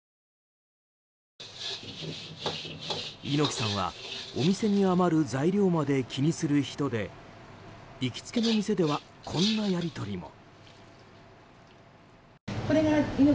猪木さんはお店に余る材料まで気にする人で行きつけの店ではこんなやり取りも。